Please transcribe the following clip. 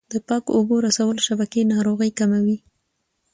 د پاکو اوبو رسولو شبکې ناروغۍ کموي.